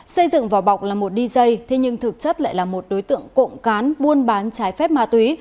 xây dựng vỏ bọc là một dj thế nhưng thực chất lại là một đối tượng cộng cán buôn bán trái phép ma túy